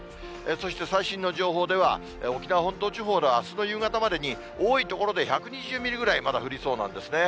そして最新の情報では、沖縄本島地方のあすの夕方までに多い所で１２０ミリぐらい、まだ降りそうなんですね。